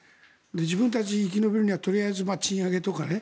自分たちが生き延びるにはとりあえず賃上げとかね。